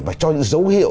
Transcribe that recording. và cho những dấu hiệu